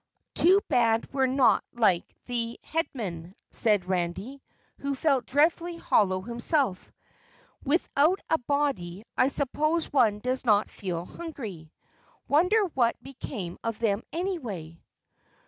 "Too bad we're not like the Headmen," said Randy, who felt dreadfully hollow himself. "Without a body, I suppose one does not feel hungry. Wonder what became of them, anyway?"